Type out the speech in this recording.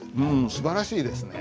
すばらしいですね。